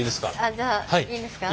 あっじゃあいいですか？